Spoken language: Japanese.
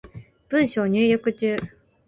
文章入力中